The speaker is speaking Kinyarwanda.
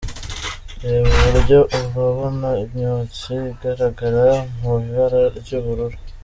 Reba iburyo urabona imyotsi igaragara mu ibara ry'ubururu.